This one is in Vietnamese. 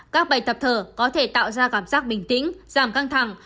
các bài tập thở có thể tạo ra cảm giác bình tĩnh giảm căng thẳng